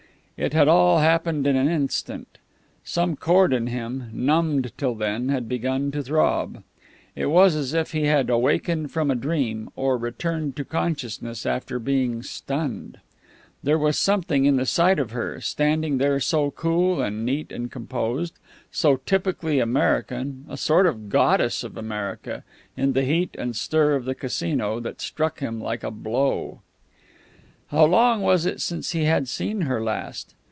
It had all happened in an instant. Some chord in him, numbed till then, had begun to throb. It was as if he had awakened from a dream, or returned to consciousness after being stunned. There was something in the sight of her, standing there so cool and neat and composed, so typically American, a sort of goddess of America, in the heat and stir of the Casino, that struck him like a blow. How long was it since he had seen her last?